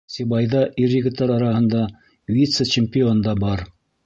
Сибайҙа ир-егеттәр араһында вице-чемпион да бар.